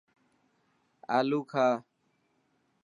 آلو کاهه.